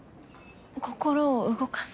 心を動かす？